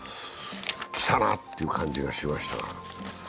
来たなという感じがしましたが。